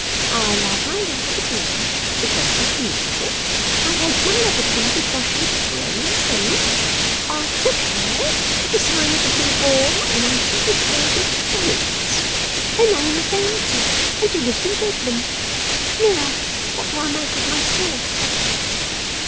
I love my love with a B because she's Beautiful; I hate my love with a B because she is Brazen; I took her to the sign of the Blue Boar, and I treated her with Bonnets; her name's Bouncer, and she lives in Bedlam. Now, what do I make with my straw?